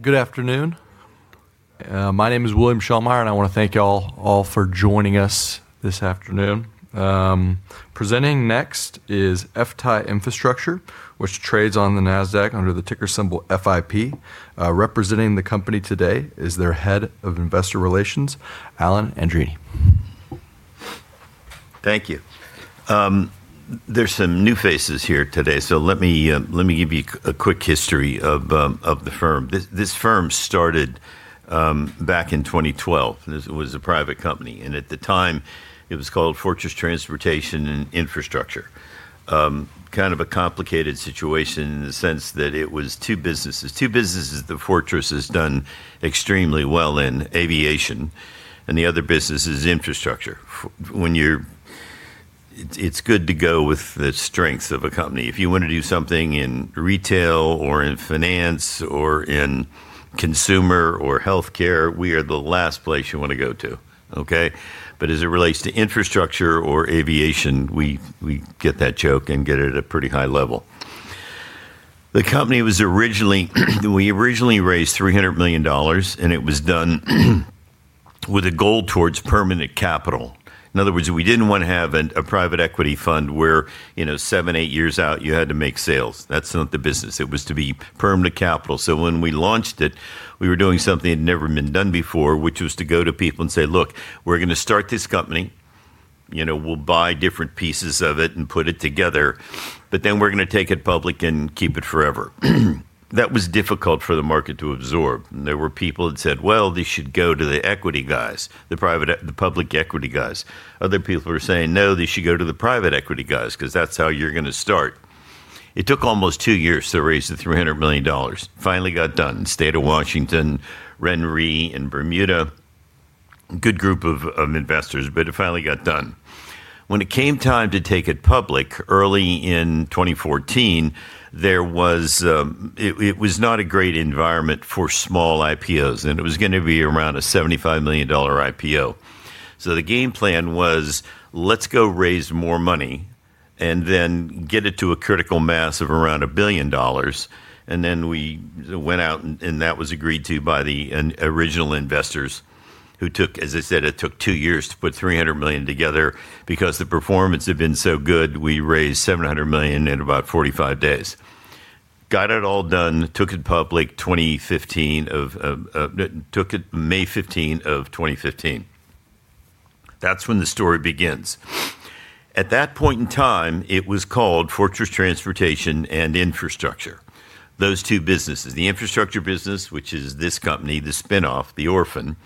Good afternoon. My name is William Shelmire. I want to thank you all for joining us this afternoon. Presenting next is FTAI Infrastructure, which trades on the Nasdaq under the ticker symbol FIP. Representing the company today is their Head of Investor Relations, Alan Andreini. Thank you. There's some new faces here today. Let me give you a quick history of the firm. This firm started back in 2012. It was a private company. At the time it was called Fortress Transportation and Infrastructure. Kind of a complicated situation in the sense that it was two businesses. Two businesses that Fortress has done extremely well in aviation. The other business is infrastructure. It's good to go with the strength of a company. If you want to do something in retail or in finance or in consumer or healthcare, we are the last place you want to go to. Okay. As it relates to infrastructure or aviation, we get that joke and get it at a pretty high level. We originally raised $300 million. It was done with a goal towards permanent capital. In other words, we didn't want to have a private equity fund where seven, eight years out, you had to make sales. That's not the business. It was to be permanent capital. When we launched it, we were doing something that had never been done before, which was to go to people and say, "Look, we're going to start this company. We'll buy different pieces of it and put it together. We're going to take it public and keep it forever." That was difficult for the market to absorb. There were people that said, "Well, this should go to the equity guys, the public equity guys." Other people are saying, "This should go to the private equity guys, because that's how you're going to start." It took almost two years to raise the $300 million. Finally got done. State of Washington, RenaissanceRe in Bermuda. Good group of investors. It finally got done. When it came time to take it public early in 2014, it was not a great environment for small IPOs. It was going to be around a $75 million IPO. The game plan was, let's go raise more money and then get it to a critical mass of around $1 billion. We went out. That was agreed to by the original investors. As I said, it took two years to put $300 million together. Because the performance had been so good, we raised $700 million in about 45 days. Got it all done, took it public May 15 of 2015. That's when the story begins. At that point in time, it was called Fortress Transportation and Infrastructure. Those two businesses, the infrastructure business, which is this company, the spinoff, the orphan,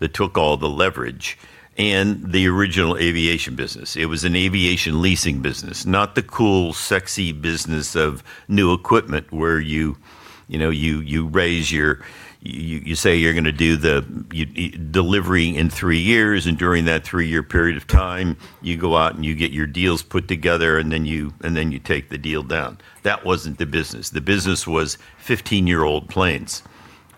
that took all the leverage, and the original aviation business. It was an aviation leasing business. Not the cool, sexy business of new equipment where you say you're going to do the delivery in three years, and during that three-year period of time, you go out and you get your deals put together, then you take the deal down. That wasn't the business. The business was 15-year-old planes.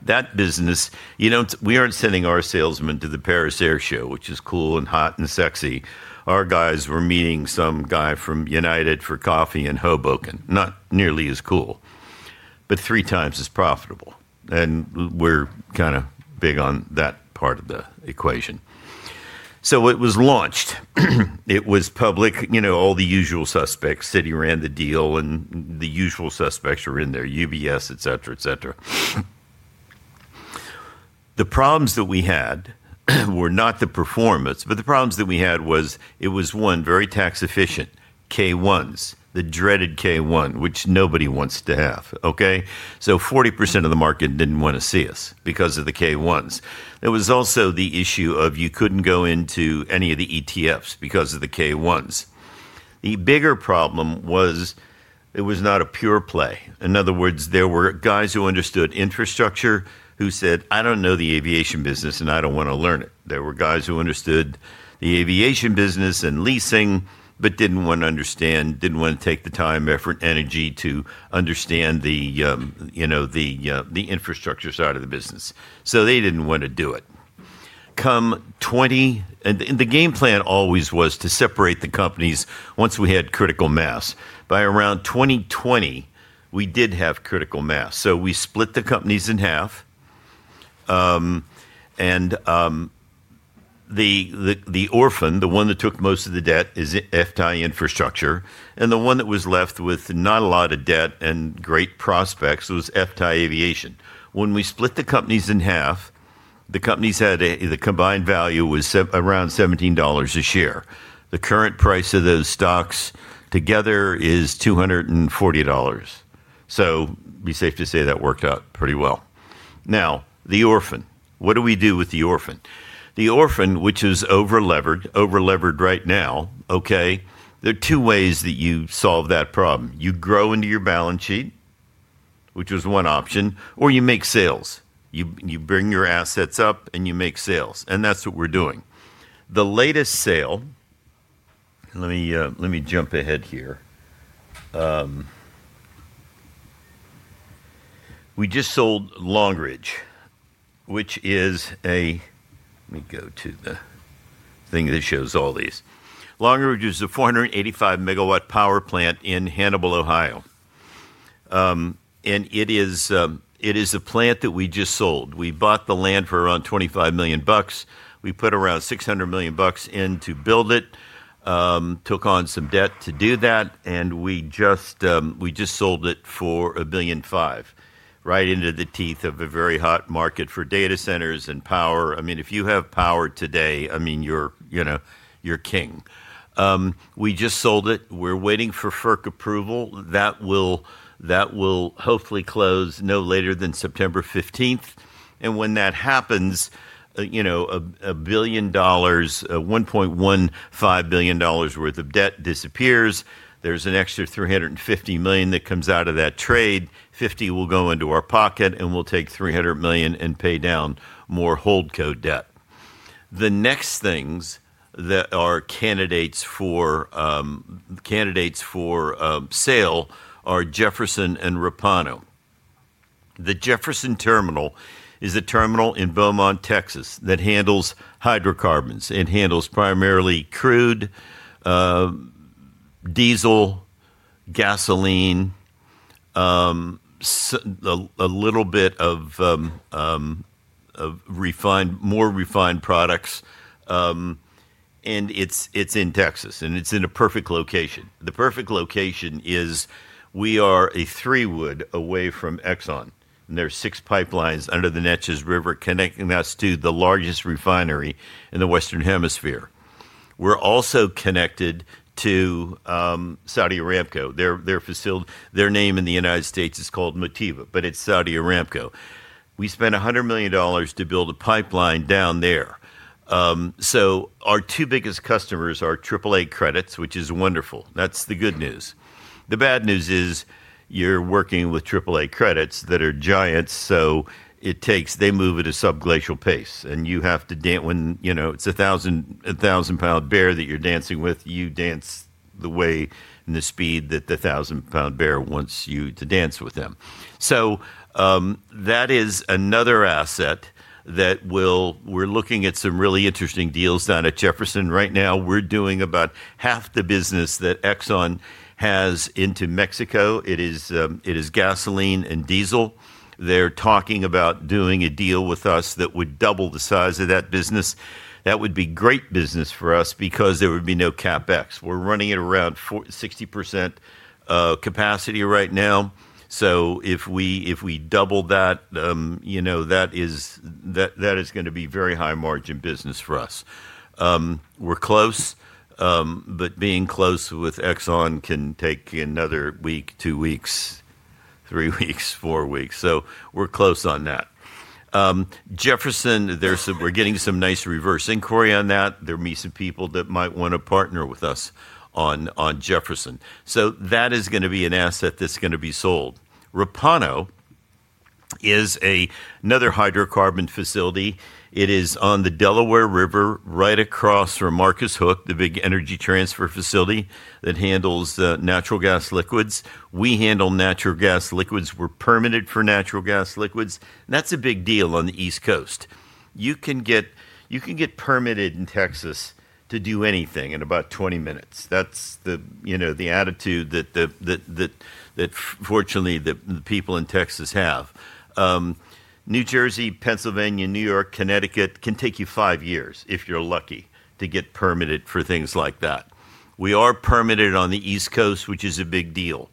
We aren't sending our salesmen to the Paris Air Show, which is cool and hot and sexy. Our guys were meeting some guy from United for coffee in Hoboken. Not nearly as cool, but three times as profitable, and we're big on that part of the equation. It was launched. It was public. All the usual suspects. Citi ran the deal, the usual suspects were in there, UBS, et cetera, et cetera. The problems that we had were not the performance, the problems that we had was it was, one, very tax efficient. K-1s, the dreaded K-1, which nobody wants to have. 40% of the market didn't want to see us because of the K-1s. There was also the issue of you couldn't go into any of the ETFs because of the K-1s. The bigger problem was it was not a pure play. In other words, there were guys who understood infrastructure who said, "I don't know the aviation business, and I don't want to learn it." There were guys who understood the aviation business and leasing but didn't want to take the time, effort, energy to understand the infrastructure side of the business. They didn't want to do it. The game plan always was to separate the companies once we had critical mass. By around 2020, we did have critical mass. We split the companies in half. The orphan, the one that took most of the debt, is FTAI Infrastructure. The one that was left with not a lot of debt and great prospects was FTAI Aviation. When we split the companies in half, the combined value was around $17 a share. The current price of those stocks together is $240. It'd be safe to say that worked out pretty well. Now, the orphan. What do we do with the orphan? The orphan, which is over-levered right now, there are two ways that you solve that problem. You grow into your balance sheet, which was one option, or you make sales. You bring your assets up, you make sales, that's what we're doing. The latest sale. Let me jump ahead here. We just sold Long Ridge. Let me go to the thing that shows all these. Long Ridge is a 485 MW power plant in Hannibal, Ohio. It is a plant that we just sold. We bought the land for around $25 million. We put around $600 million in to build it, took on some debt to do that, we just sold it for $1.5 billion. Right into the teeth of a very hot market for data centers and power. If you have power today, you're king. We just sold it. We're waiting for FERC approval. That will hopefully close no later than September 15th. When that happens, $1.15 billion worth of debt disappears. There's an extra $350 million that comes out of that trade. $50 million will go into our pocket, and we'll take $300 million and pay down more holdco debt. The next things that are candidates for sale are Jefferson and Repauno. The Jefferson terminal is a terminal in Beaumont, Texas, that handles hydrocarbons. It handles primarily crude, diesel, gasoline, a little bit of more refined products. It's in Texas, and it's in a perfect location. The perfect location is we are a three-wood away from Exxon, and there are six pipelines under the Neches River connecting us to the largest refinery in the Western Hemisphere. We're also connected to Saudi Aramco. Their name in the U.S. is called Motiva, but it's Saudi Aramco. We spent $100 million to build a pipeline down there. Our two biggest customers are AAA credits, which is wonderful. That's the good news. The bad news is you're working with AAA credits that are giants, so they move at a subglacial pace, and it's a 1,000-pound bear that you're dancing with. You dance the way and the speed that the 1,000-pound bear wants you to dance with him. That is another asset that we're looking at some really interesting deals down at Jefferson right now. We're doing about half the business that Exxon has into Mexico. It is gasoline and diesel. They're talking about doing a deal with us that would double the size of that business. That would be great business for us because there would be no CapEx. We're running at around 60% capacity right now. If we double that is going to be very high margin business for us. We're close, but being close with Exxon can take another week, two weeks, three weeks, four weeks. We're close on that. Jefferson, we're getting some nice reverse inquiry on that. There may be some people that might want to partner with us on Jefferson. That is going to be an asset that's going to be sold. Repauno is another hydrocarbon facility. It is on the Delaware River, right across from Marcus Hook, the big energy transfer facility that handles natural gas liquids. We handle natural gas liquids. We're permitted for natural gas liquids, and that's a big deal on the East Coast. You can get permitted in Texas to do anything in about 20 minutes. That's the attitude that fortunately the people in Texas have. New Jersey, Pennsylvania, New York, Connecticut can take you five years, if you're lucky, to get permitted for things like that. We are permitted on the East Coast, which is a big deal.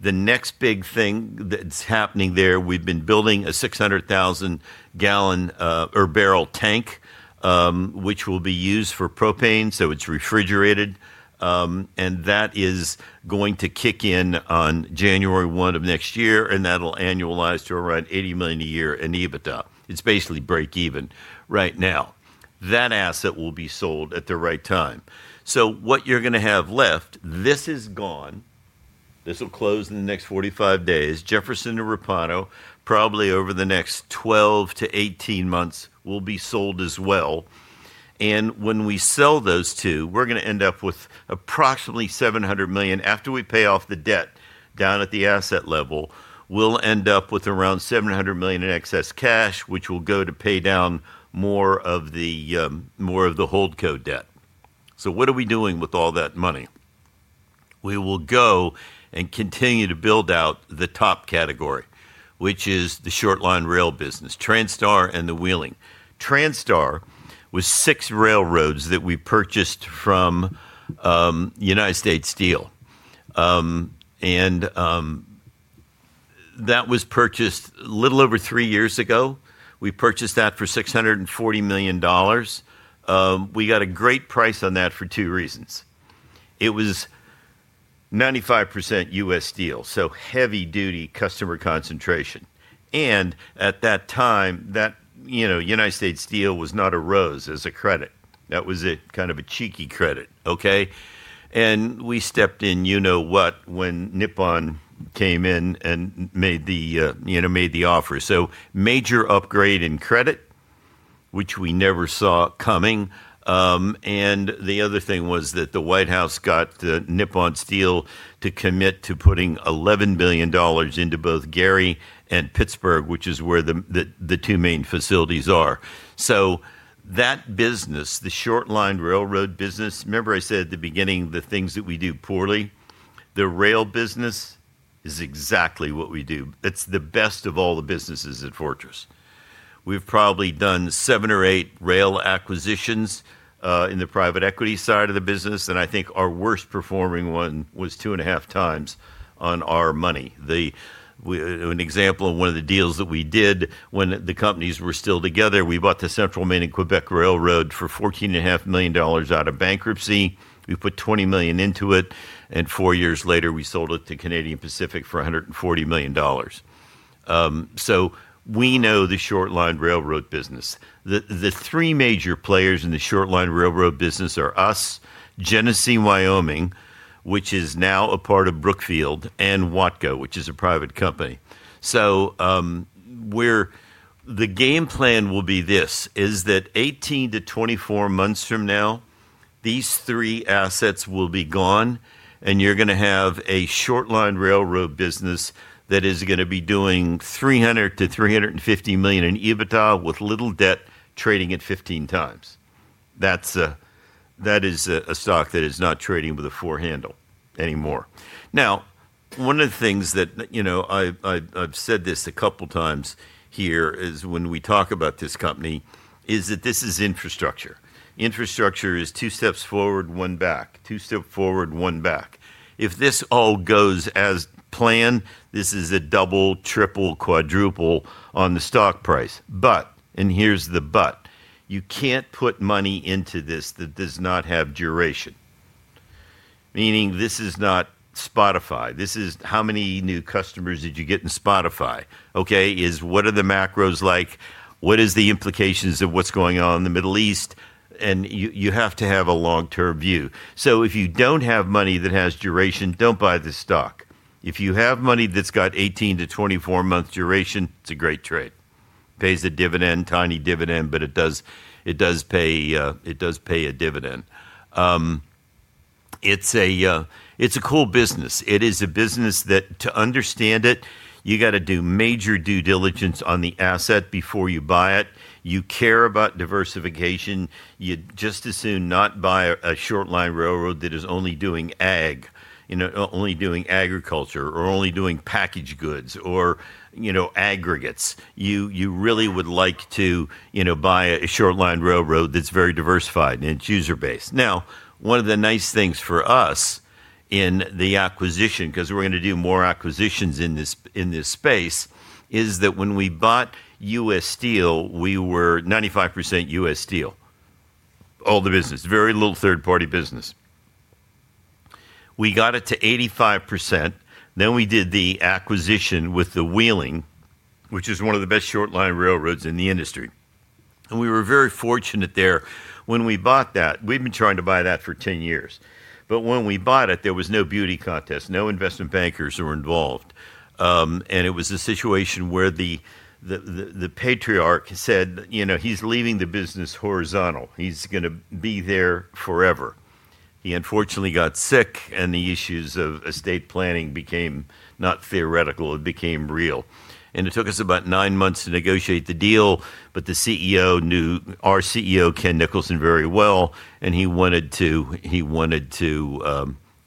The next big thing that's happening there, we've been building a 600,000-barrel tank, which will be used for propane, so it's refrigerated. That is going to kick in on January 1 of next year, and that'll annualize to around $80 million a year in EBITDA. It's basically break even right now. That asset will be sold at the right time. What you're going to have left, this is gone. This will close in the next 45 days. Jefferson to Repauno, probably over the next 12 to 18 months, will be sold as well. When we sell those two, we're going to end up with approximately $700 million. After we pay off the debt down at the asset level, we'll end up with around $700 million in excess cash, which will go to pay down more of the holdco debt. What are we doing with all that money? We will go and continue to build out the top category, which is the short line rail business, Transtar and The Wheeling. Transtar was six railroads that we purchased from United States Steel, and that was purchased a little over three years ago. We purchased that for $640 million. We got a great price on that for two reasons. It was 95% U.S. Steel, so heavy-duty customer concentration. At that time, United States Steel was not a rose as a credit. That was kind of a cheeky credit, okay? We stepped in, you know what, when Nippon came in and made the offer. Major upgrade in credit. Which we never saw coming. The other thing was that the White House got Nippon Steel to commit to putting $11 billion into both Gary and Pittsburgh, which is where the two main facilities are. That business, the short line railroad business, remember I said at the beginning, the things that we do poorly, the rail business is exactly what we do. It's the best of all the businesses at Fortress. We've probably done seven or eight rail acquisitions, in the private equity side of the business, and I think our worst-performing one was two and a half times on our money. An example of one of the deals that we did when the companies were still together, we bought the Central Maine and Quebec Railway for $14.5 million out of bankruptcy. We put $20 million into it. Four years later, we sold it to Canadian Pacific for $140 million. We know the short line railroad business. The three major players in the short line railroad business are us, Genesee & Wyoming, which is now a part of Brookfield, and Watco, which is a private company. The game plan will be this, is that 18 to 24 months from now, these three assets will be gone, and you're going to have a short line railroad business that is going to be doing $300 million to $350 million in EBITDA with little debt trading at 15x. That is a stock that is not trading with a four handle anymore. One of the things that, I've said this a couple times here, is when we talk about this company, is that this is infrastructure. Infrastructure is two steps forward, one back. Two steps forward, one back. If this all goes as planned, this is a double, triple, quadruple on the stock price. Here's the but, you can't put money into this that does not have duration. Meaning this is not Spotify. This is how many new customers did you get in Spotify, okay? What are the macros like? What is the implications of what's going on in the Middle East? You have to have a long-term view. If you don't have money that has duration, don't buy this stock. If you have money that's got 18 to 24-month duration, it's a great trade. Pays a dividend, tiny dividend, but it does pay a dividend. It's a cool business. It is a business that to understand it, you got to do major due diligence on the asset before you buy it. You care about diversification. You'd just as soon not buy a short line railroad that is only doing agriculture or only doing packaged goods or aggregates. You really would like to buy a short line railroad that's very diversified in its user base. One of the nice things for us in the acquisition, because we're going to do more acquisitions in this space, is that when we bought U.S. Steel, we were 95% U.S. Steel. All the business, very little third-party business. We got it to 85%, then we did the acquisition with The Wheeling, which is one of the best short line railroads in the industry. We were very fortunate there when we bought that. We'd been trying to buy that for 10 years. When we bought it, there was no beauty contest, no investment bankers were involved. It was a situation where the patriarch said he's leaving the business horizontal. He's going to be there forever. He unfortunately got sick, and the issues of estate planning became not theoretical. It became real. It took us about nine months to negotiate the deal, but the CEO knew, our CEO, Ken Nicholson, very well, and he wanted to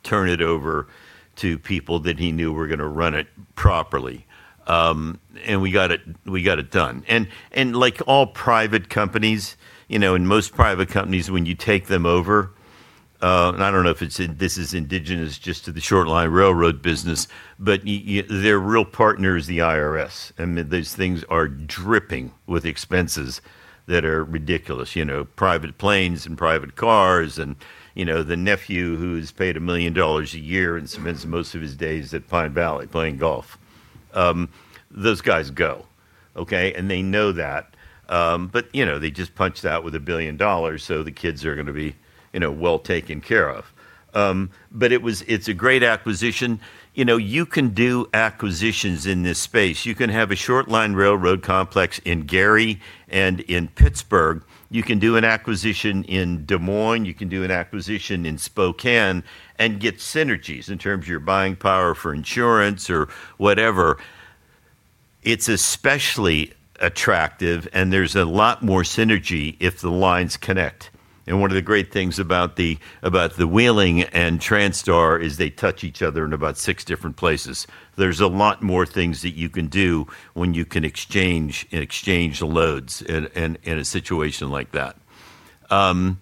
turn it over to people that he knew were going to run it properly. We got it done. Like all private companies, in most private companies, when you take them over, and I don't know if this is indigenous just to the short line railroad business, but their real partner is the IRS. I mean, those things are dripping with expenses that are ridiculous. Private planes and private cars and the nephew who's paid $1 million a year and spends most of his days at Pine Valley playing golf. Those guys go, okay? They know that. They just punch out with $1 billion, so the kids are going to be well taken care of. It's a great acquisition. You can do acquisitions in this space. You can have a short line railroad complex in Gary and in Pittsburgh. You can do an acquisition in Des Moines. You can do an acquisition in Spokane and get synergies in terms of your buying power for insurance or whatever. It's especially attractive, and there's a lot more synergy if the lines connect. One of the great things about The Wheeling and Transtar is they touch each other in about six different places. There's a lot more things that you can do when you can exchange loads in a situation like that. That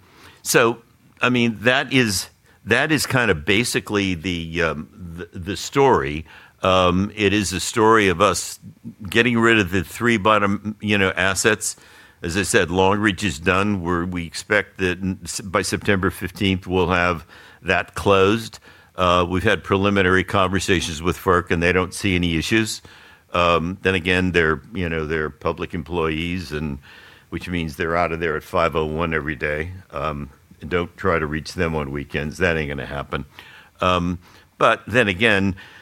is basically the story. It is a story of us getting rid of the three bottom assets. As I said, Long Ridge is done. We expect that by September 15th, we'll have that closed. We've had preliminary conversations with FERC, and they don't see any issues. They're public employees, which means they're out of there at 5:01 every day. Don't try to reach them on weekends. That ain't going to happen.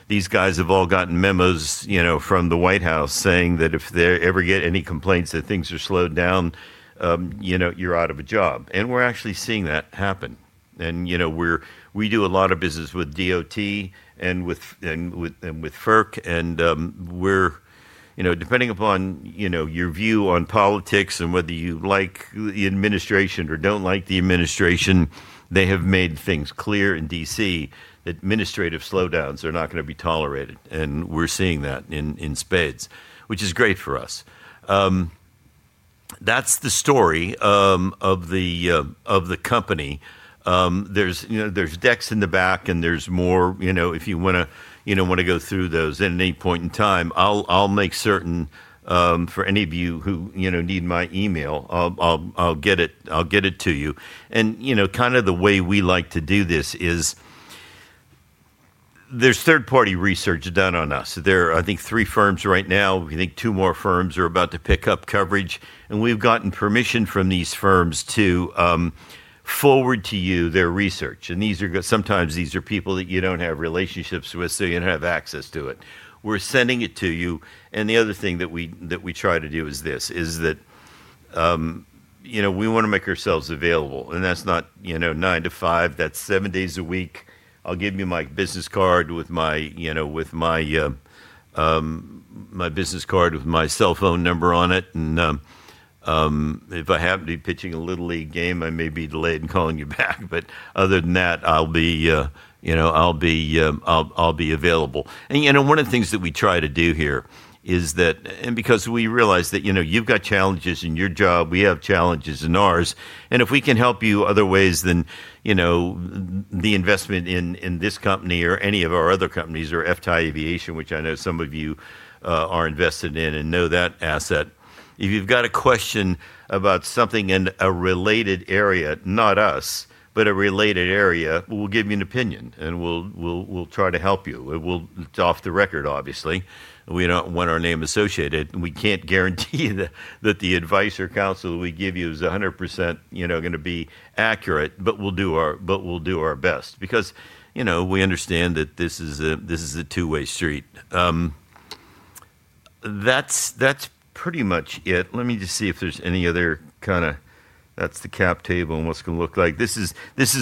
These guys have all gotten memos from the White House saying that if they ever get any complaints that things are slowed down, you're out of a job. And we're actually seeing that happen. And we do a lot of business with DOT and with FERC. Depending upon your view on politics and whether you like the administration or do not like the administration, they have made things clear in D.C. that administrative slowdowns are not going to be tolerated. We are seeing that in spades, which is great for us. That is the story of the company. There is decks in the back and there is more if you want to go through those at any point in time. I will make certain for any of you who need my email, I will get it to you. Kind of the way we like to do this is there is third-party research done on us. There are, I think, three firms right now. We think two more firms are about to pick up coverage. We have gotten permission from these firms to forward to you their research. Sometimes these are people that you do not have relationships with, so you did not have access to it. We are sending it to you. The other thing that we try to do is this, is that we want to make ourselves available. That is not 9:00 A.M. to 5:00 P.M., that is seven days a week. I will give you my business card with my cellphone number on it. If I happen to be pitching a little league game, I may be delayed in calling you back. Other than that, I will be available. One of the things that we try to do here is that because we realize that you have got challenges in your job, we have challenges in ours, if we can help you other ways than the investment in this company or any of our other companies or FTAI Aviation, which I know some of you are invested in and know that asset. If you have got a question about something in a related area, not us, but a related area, we will give you an opinion and we will try to help you. It is off the record, obviously. We do not want our name associated, we cannot guarantee that the advice or counsel that we give you is 100% going to be accurate, but we will do our best because we understand that this is a two-way street. That is pretty much it. Let me just see if there is any other kind of. That is the cap table and what it is going to look like. This is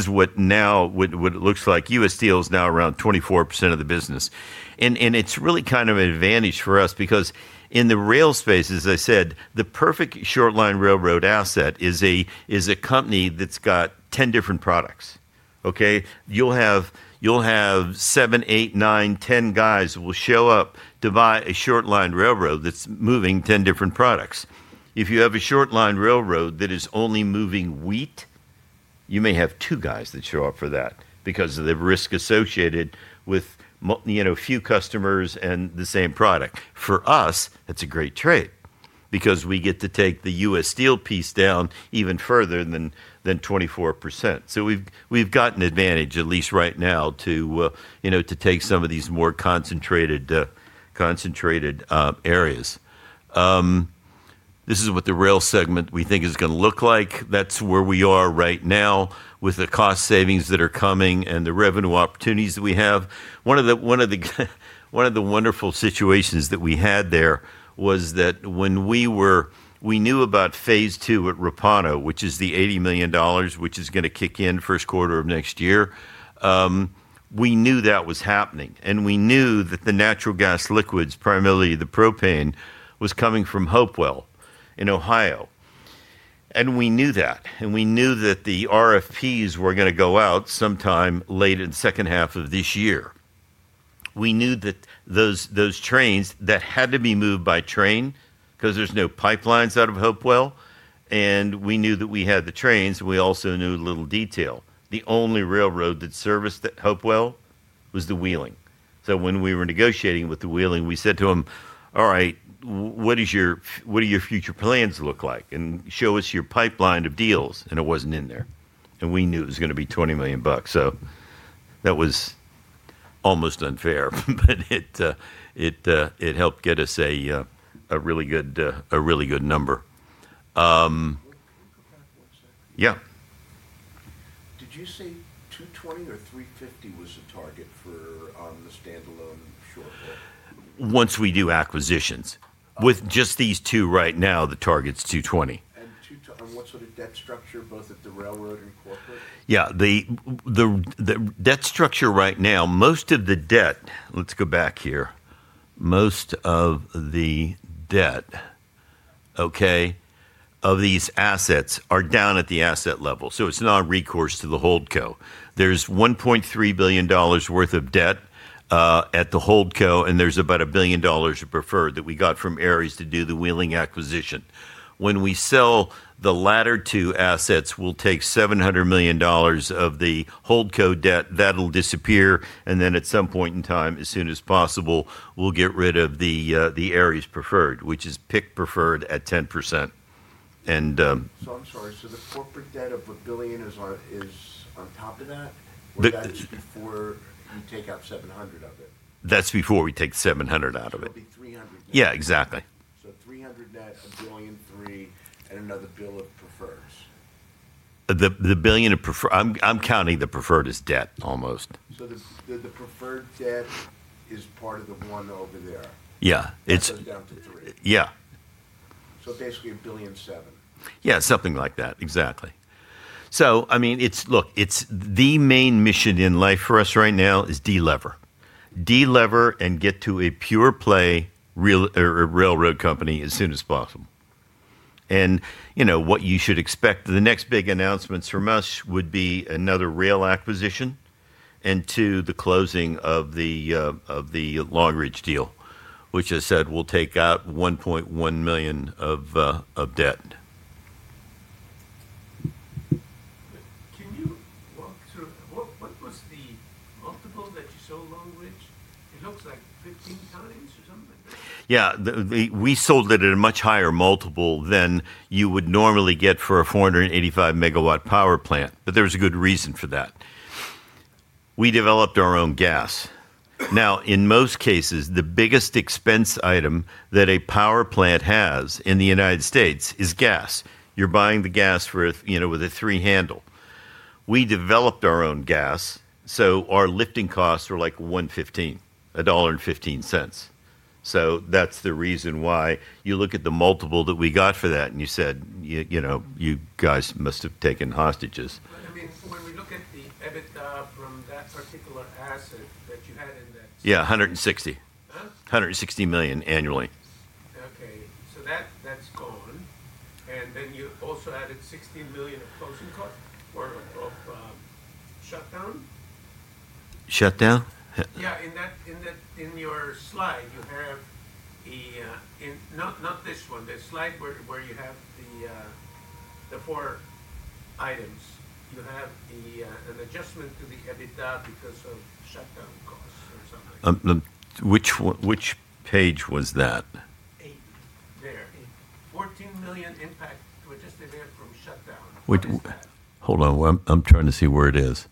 what now what it looks like. U.S. Steel is now around 24% of the business, and it is really kind of an advantage for us because in the rail space, as I said, the perfect short line railroad asset is a company that has got 10 different products. Okay? You will have seven, eight, nine, 10 guys who will show up to buy a short line railroad that is moving 10 different products. If you have a short line railroad that is only moving wheat, you may have two guys that show up for that because of the risk associated with few customers and the same product. For us, that is a great trade because we get to take the U.S. Steel piece down even further than 24%. We've got an advantage, at least right now, to take some of these more concentrated areas. This is what the rail segment we think is going to look like. That's where we are right now with the cost savings that are coming and the revenue opportunities that we have. One of the wonderful situations that we had there was that when we knew about phase 2 at Repauno, which is the $80 million, which is going to kick in first quarter of next year. We knew that was happening, and we knew that the natural gas liquids, primarily the propane, was coming from Hopewell in Ohio. We knew that. We knew that the RFPs were going to go out sometime late in second half of this year. We knew that those trains that had to be moved by train because there's no pipelines out of Hopewell, we knew that we had the trains. We also knew a little detail. The only railroad that serviced Hopewell was the Wheeling. When we were negotiating with the Wheeling, we said to them, "All right. What do your future plans look like? Show us your pipeline of deals." It wasn't in there. We knew it was going to be $20 million. That was almost unfair, but it helped get us a really good number. Can we go back one second? Yeah. Did you say $220 or $350 was the target for on the standalone short haul? Once we do acquisitions. With just these two right now, the target's $220. $220 on what sort of debt structure, both at the railroad and corporate? Yeah. The debt structure right now, most of the debt, let's go back here. Most of the debt of these assets are down at the asset level. It's not a recourse to the holdco. There's $1.3 billion worth of debt at the holdco, there's about $1 billion of preferred that we got from Ares to do The Wheeling acquisition. When we sell the latter two assets, we'll take $700 million of the holdco debt. That'll disappear, then at some point in time, as soon as possible, we'll get rid of the Ares preferred, which is PIK preferred at 10%. I'm sorry. The corporate debt of $1 billion is on top of that? Or that is before you take out $700 million of it? That's before we take $700 million out of it. It'll be $300 million then. Yeah, exactly. $300 million debt, $1.3 billion, and another $1 billion of preferreds. The $1 billion of preferred. I'm counting the preferred as debt almost. The preferred debt is part of the one over there? Yeah. That goes down to $300 million. Yeah. Basically $1.7 billion. Yeah. Something like that, exactly. The main mission in life for us right now is delever. Delever and get to a pure play railroad company as soon as possible. What you should expect, the next big announcements from us would be another rail acquisition, and two, the closing of the Long Ridge deal, which I said will take out $1.1 million of debt. Can you walk through, what was the multiple that you sold Long Ridge? It looks like 15x. We sold it at a much higher multiple than you would normally get for a 485 MW power plant. There was a good reason for that. We developed our own gas. In most cases, the biggest expense item that a power plant has in the U.S. is gas. You're buying the gas with a three handle. We developed our own gas, our lifting costs were like $1.15. That's the reason why you look at the multiple that we got for that and you said, "You guys must have taken hostages. When we look at the EBITDA from that particular asset that you had in that. Yeah, $160 million. Huh? $160 million annually. Okay. That's gone. Then you also added $16 million of closing cost or of shutdown? Shutdown? Yeah. In your slide, not this one, the slide where you have the four items. You have an adjustment to the EBITDA because of shutdown costs or something like that. Which page was that? Eight. There. $14 million impact to adjusted EBITDA from shutdown. What is that? Hold on. I'm trying to see where it is.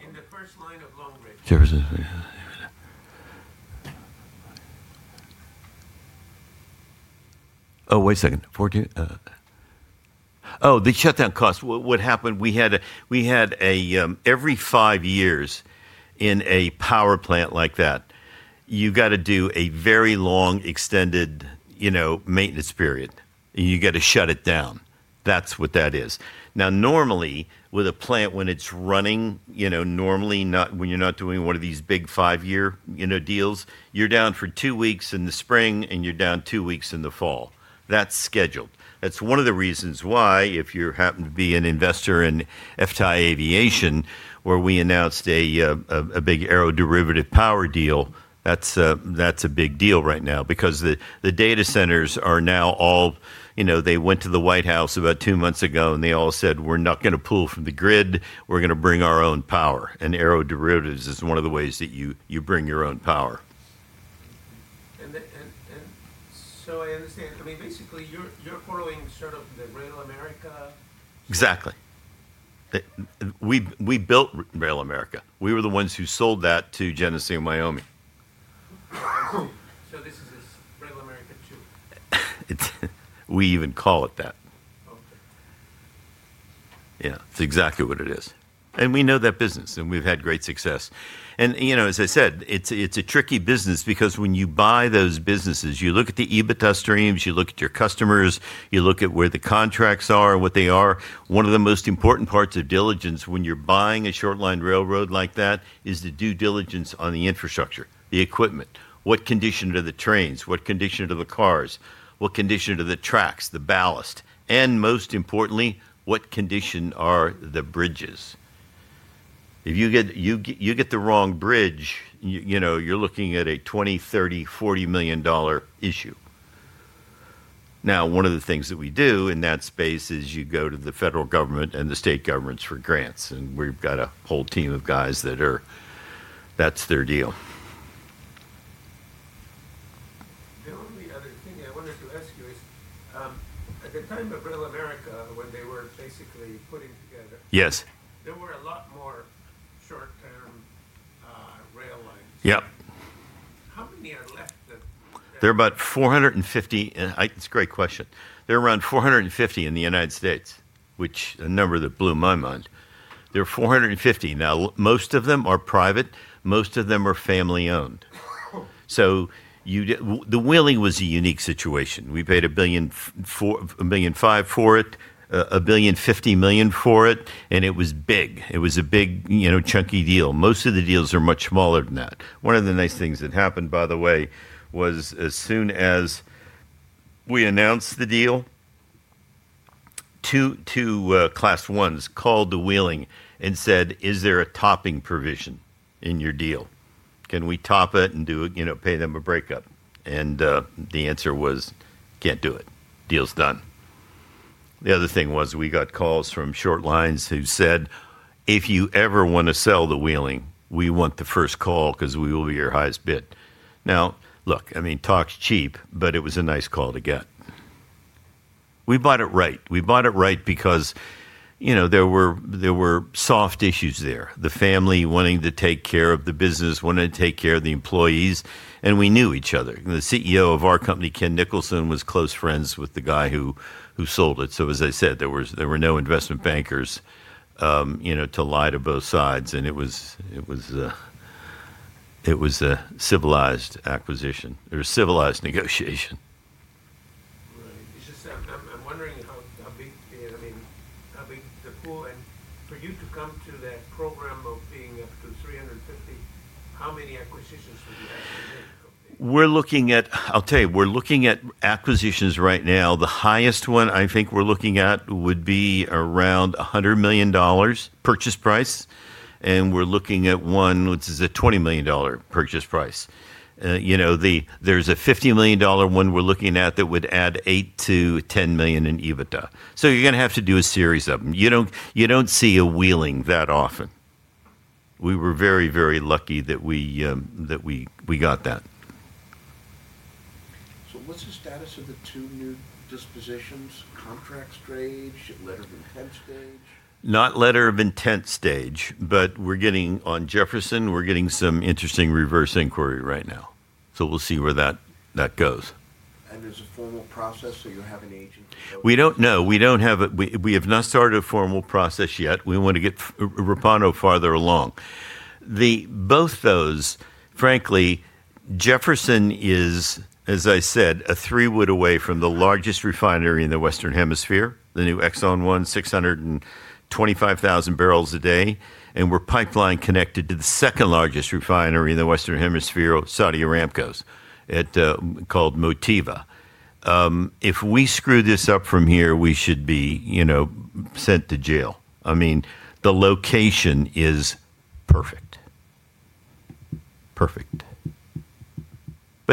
In the first line of Long Ridge. Oh, wait a second. 14. Oh, the shutdown cost. Every five years in a power plant like that, you've got to do a very long extended maintenance period, and you got to shut it down. That's what that is. Now, normally with a plant when it's running, normally when you're not doing one of these big five-year deals, you're down for two weeks in the spring and you're down two weeks in the fall. That's scheduled. That's one of the reasons why if you happen to be an investor in FTAI Aviation where we announced a big aeroderivative power deal, that's a big deal right now because the data centers are now all. They went to the White House about two months ago and they all said, "We're not going to pull from the grid. We're going to bring our own power." Aeroderivatives is one of the ways that you bring your own power. I understand. Basically, you're portaling sort of the RailAmerica Inc. Exactly. We built RailAmerica Inc. We were the ones who sold that to Genesee & Wyoming. I see. This is RailAmerica Inc. 2. We even call it that. Okay. Yeah. That's exactly what it is. We know that business and we've had great success. As I said, it's a tricky business because when you buy those businesses, you look at the EBITDA streams, you look at your customers, you look at where the contracts are and what they are. One of the most important parts of diligence when you're buying a short line railroad like that is the due diligence on the infrastructure, the equipment. What condition are the trains? What condition are the cars? What condition are the tracks, the ballast? Most importantly, what condition are the bridges? If you get the wrong bridge, you're looking at a $20 million, $30 million, $40 million issue. One of the things that we do in that space is you go to the federal government and the state governments for grants, we've got a whole team of guys that that's their deal. The only other thing I wanted to ask you is, at the time of RailAmerica Inc. when they were basically putting together. Yes There were a lot more short-term rail lines. Yep. How many are left? There are about 450. It's a great question. There are around 450 in the U.S., which a number that blew my mind. There are 450 now. Most of them are private, most of them are family-owned. The Wheeling was a unique situation. We paid $1.05 billion for it, and it was big. It was a big chunky deal. Most of the deals are much smaller than that. One of the nice things that happened, by the way, was as soon as we announced the deal, two Class I railroads called The Wheeling and said, "Is there a topping provision in your deal? Can we top it and pay them a breakup?" The answer was, "Can't do it. Deal's done." The other thing was we got calls from short lines who said, "If you ever want to sell The Wheeling, we want the first call because we will be your highest bid." Look, talk's cheap, but it was a nice call to get. We bought it right. We bought it right because there were soft issues there. The family wanting to take care of the business, wanted to take care of the employees, and we knew each other. The CEO of our company, Ken Nicholson, was close friends with the guy who sold it. As I said, there were no investment bankers to lie to both sides. It was a civilized acquisition. It was a civilized negotiation. Right. It's just, I'm wondering how big the pool for you to come to that program of being up to $350 million, how many acquisitions would you have to make approximately? I'll tell you, we're looking at acquisitions right now. The highest one I think we're looking at would be around $100 million purchase price, and we're looking at one which is a $20 million purchase price. There's a $50 million one we're looking at that would add $8 million to $10 million in EBITDA. You're going to have to do a series of them. You don't see a Wheeling that often. We were very lucky that we got that. What's the status of the two new dispositions? Contract stage? Letter of intent stage? Not letter of intent stage. On Jefferson, we're getting some interesting reverse inquiry right now, so we'll see where that goes. There's a formal process, so you have an agent to go through? No, we have not started a formal process yet. We want to get Repauno farther along. Both those, frankly, Jefferson is, as I said, a three-wood away from the largest refinery in the Western Hemisphere, the new Exxon one, 625,000 barrels a day, and we're pipeline connected to the second-largest refinery in the Western Hemisphere, Saudi Aramco's, called Motiva. If we screw this up from here, we should be sent to jail. The location is perfect.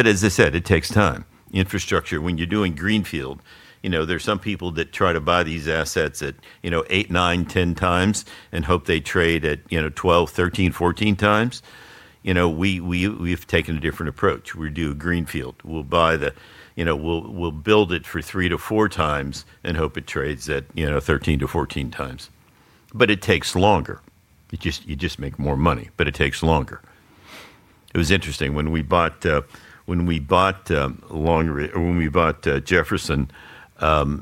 As I said, it takes time. Infrastructure, when you're doing greenfield, there's some people that try to buy these assets at 8x, 9x, 10x and hope they trade at 12x, 13x, 14x. We've taken a different approach. We do a greenfield. We'll build it for 3x to 4x and hope it trades at 13x to 14x times. It takes longer. You just make more money, but it takes longer. It was interesting, when we bought Jefferson,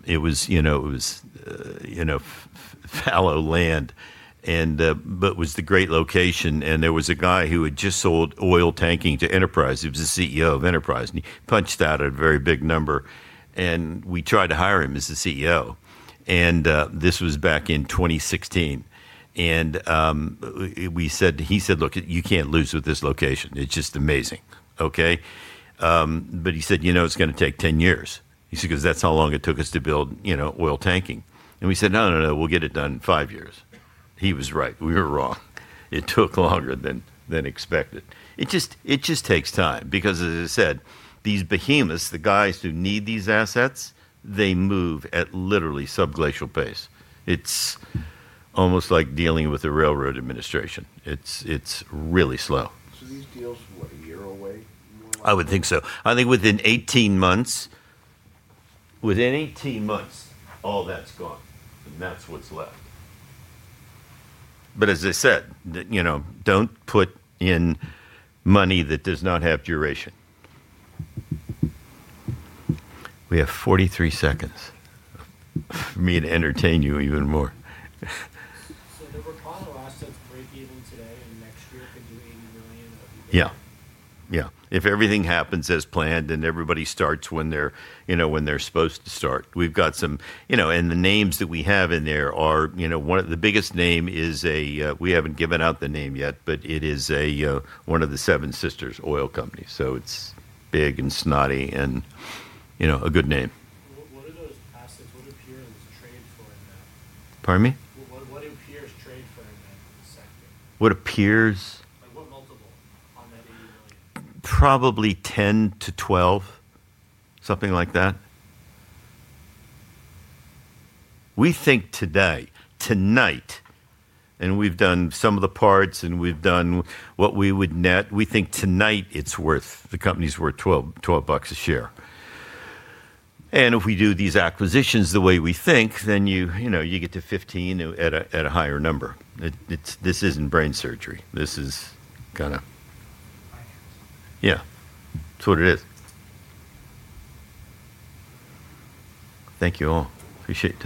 it was fallow land, but it was the great location. There was a guy who had just sold Oiltanking to Enterprise. He was the CEO of Enterprise, and he punched out a very big number, and we tried to hire him as the CEO. This was back in 2016. He said, "Look, you can't lose with this location. It's just amazing." Okay. He said, "It's going to take 10 years," he said, "because that's how long it took us to build Oiltanking." We said, "No, we'll get it done in five years." He was right. We were wrong. It took longer than expected. It just takes time, because as I said, these behemoths, the guys who need these assets, they move at literally subglacial pace. It's almost like dealing with the railroad administration. It's really slow. These deals are what, one year away normally? I would think so. I think within 18 months, all that's gone, and that's what's left. As I said, don't put in money that does not have duration. We have 43 seconds for me to entertain you even more. The Repauno assets break even today and next year can do $80 million of EBITDA? Yeah. If everything happens as planned and everybody starts when they're supposed to start. The names that we have in there are, the biggest name is, we haven't given out the name yet, but it is one of the Seven Sisters oil companies. It's big and snotty and a good name. What are those assets? What appears trade for it now? Pardon me? What appears trade for it now in a second? What appears? Like what multiple on that $80 million? Probably 10x-12x, something like that. We think today, tonight, we've done some of the parts, we've done what we would net, we think tonight the company's worth $12 a share. If we do these acquisitions the way we think, you get to 15x at a higher number. This isn't brain surgery. This is kinda Science. Yeah. That's what it is. Thank you all. Appreciate the time